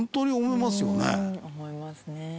思いますね。